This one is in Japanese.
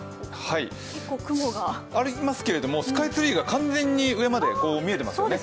雲がありますけれどもスカイツリーが完全に上まで見えてますよね。